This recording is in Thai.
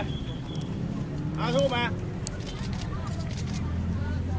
เอาทุกมา